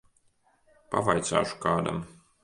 Pavaicāšu kādam.